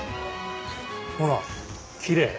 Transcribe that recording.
ほらキレイ！